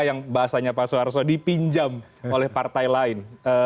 yang bahasanya pak soeharto dipinjam oleh partai lain